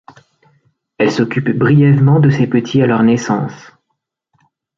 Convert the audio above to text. Elle s'occupe brièvement de ses petits à leur naissance.